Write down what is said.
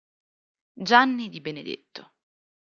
Gianni Di Benedetto